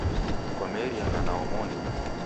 Kwameriana na omoni?.